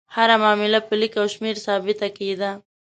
هره معامله په لیک او شمېر ثابته کېده.